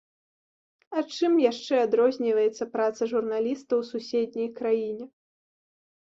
А чым яшчэ адрозніваецца праца журналіста ў суседняй краіне?